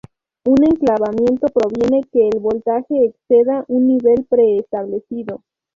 Un enclavamiento previene que el voltaje exceda un nivel preestablecido.